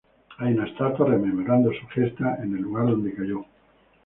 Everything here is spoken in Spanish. Hay una estatua rememorando su gesta en el lugar donde cayó.